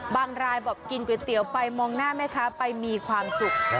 รายบอกกินก๋วยเตี๋ยวไปมองหน้าแม่ค้าไปมีความสุข